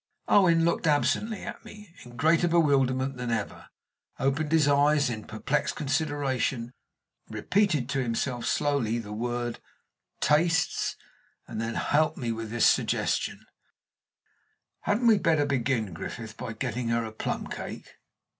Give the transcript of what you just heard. Owen looked absently at me, in greater bewilderment than ever opened his eyes in perplexed consideration repeated to himself slowly the word "tastes" and then helped me with this suggestion: "Hadn't we better begin, Griffith, by getting her a plum cake?"